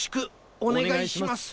おねがいします。